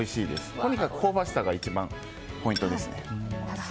とにかく香ばしさが一番ポイントです。